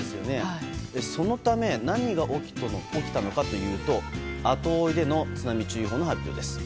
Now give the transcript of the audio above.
そのため何が起きたのかというと後追いでの津波注意報の発表です。